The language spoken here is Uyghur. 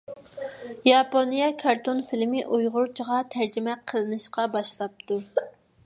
ياپونىيە كارتون فىلىمى ئۇيغۇرچىغا تەرجىمە قىلىنىشقا باشلاپتۇ.